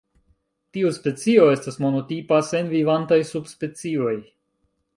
Tiu specio estas monotipa sen vivantaj subspecioj.